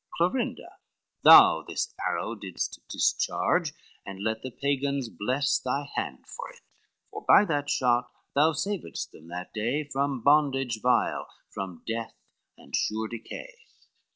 Clorinda, thou this arrow didst discharge, And let the Pagans bless thy hand for it, For by that shot thou savedst them that day From bondage vile, from death and sure decay.